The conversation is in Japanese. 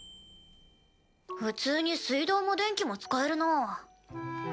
普通に水道も電気も使えるな。